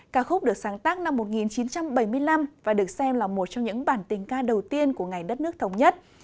ca khúc được sáng tác năm một nghìn chín trăm bảy mươi năm và được xem là một trong những bản tình ca đầu tiên của ngày đất nước thống nhất